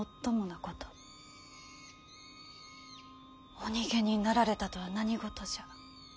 お逃げになられたとは何事じゃ。